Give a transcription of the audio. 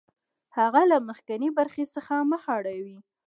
هغه له مخکینۍ برخې څخه مخ اړوي